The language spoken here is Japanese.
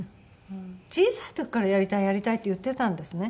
小さい時から「やりたいやりたい」って言ってたんですね。